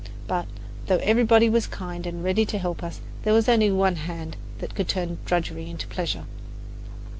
But, though everybody was kind and ready to help us, there was only one hand that could turn drudgery into pleasure.